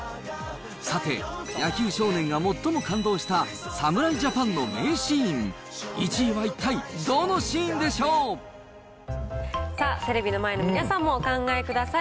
さて、野球少年が最も感動した侍ジャパンの名シーン、１位は一体、どのさあ、テレビの前の皆さんもお考えください。